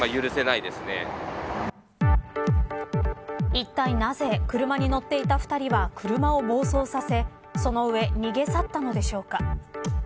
いったいなぜ車に乗っていた２人は車を暴走させその上逃げ去ったのでしょうか。